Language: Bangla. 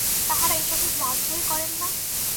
তাঁহারা এ-সকল গ্রাহ্যই করেন না।